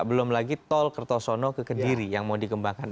belum lagi tol kertosono ke kediri yang mau dikembangkan